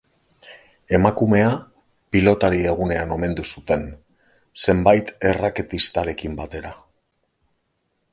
Emakumea Pilotari Egunean omendu zuten, zenbait erraketistarekin batera.